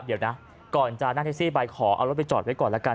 เดี๋ยวนะก่อนจะนั่งแท็กซี่ไปขอเอารถไปจอดไว้ก่อนละกัน